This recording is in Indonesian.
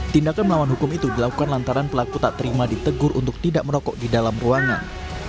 tindakan melawan hukum itu dilakukan lantaran pelaku tak terima ditegur untuk tidak merokok di dalam ruangan